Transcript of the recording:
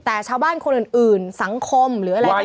แต่ชาวบ้านคนอื่นสังคมหรืออะไรก็ตาม